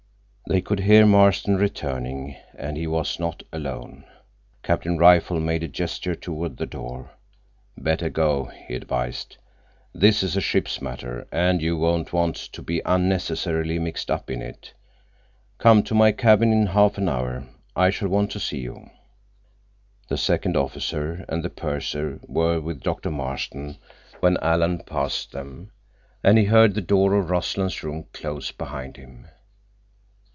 They could hear Marston returning, and he was not alone. Captain Rifle made a gesture toward the door. "Better go," he advised. "This is a ship's matter, and you won't want to be unnecessarily mixed up in it. Come to my cabin in half an hour. I shall want to see you." The second officer and the purser were with Doctor Marston when Alan passed them, and he heard the door of Rossland's room close behind him.